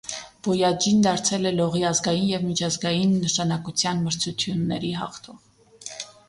Բոյաջին դարձել է լողի ազգային և միջազգային նշանակության մրցությունների հաղթող։